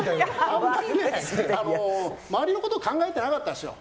あんまり周りのことを考えてなかったんですよ。